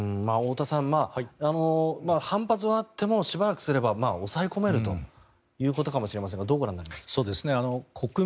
太田さん、反発はあってもしばらくすれば抑え込めるということかもしれませんがどうご覧になりますか？